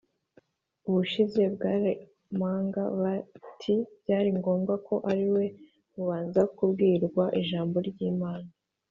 ubushizi bw amanga bati byari ngombwa ko ari mwe mubanza kubwirwa ijambo ry Imana